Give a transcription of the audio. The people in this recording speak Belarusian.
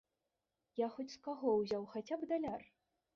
Я хоць з каго ўзяў хаця б даляр?